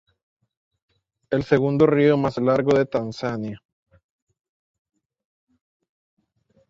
Es el segundo río más largo de Tanzania.